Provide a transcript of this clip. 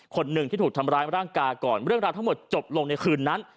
คนหนึ่งที่ถูกทำร้ายร่างกายก่อนเรื่องราวทั้งหมดจบลงในคืนนั้น